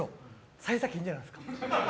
幸先いいんじゃないですか？